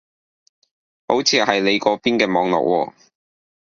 好似係你嗰邊嘅網絡喎